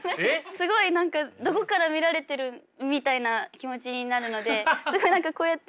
すごい何かどこから見られてるみたいな気持ちになるのでこうやって歩いてきちゃう。